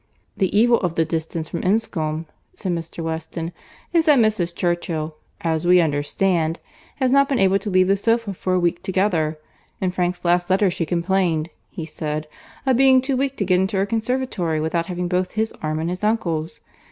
"The evil of the distance from Enscombe," said Mr. Weston, "is, that Mrs. Churchill, as we understand, has not been able to leave the sofa for a week together. In Frank's last letter she complained, he said, of being too weak to get into her conservatory without having both his arm and his uncle's!